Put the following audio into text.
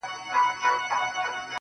تنکی رويباره له وړې ژبي دي ځارسم که نه~